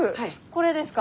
これですか？